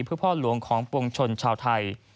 เพื่อพ่อหลวงของปวงชนชาวไทย